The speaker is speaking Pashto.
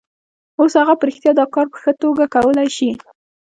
اوس هغه په رښتیا دا کار په ښه توګه کولای شي